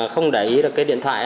không để ý được cái điện thoại